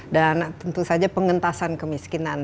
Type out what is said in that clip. dan tentu saja pengentasan kemiskinan